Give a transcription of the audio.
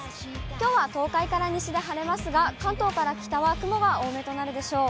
きょうは東海から西で晴れますが、関東から北は雲が多めとなるでしょう。